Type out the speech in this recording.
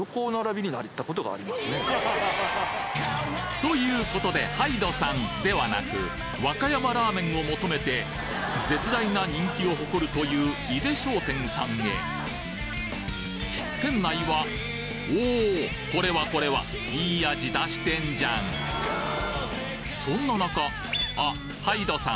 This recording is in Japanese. ということでｈｙｄｅさんではなく和歌山ラーメンを求めて絶大な人気を誇るという井出商店さんへ店内はおこれはこれはいい味出してんじゃんそんな中あっｈｙｄｅさん